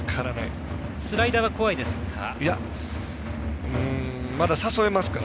スライダーは怖いですか。